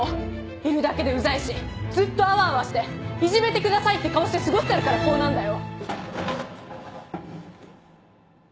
いるだけでウザいしずっとアワアワして「いじめてください」って顔して過ごしてるからこうなんだよ。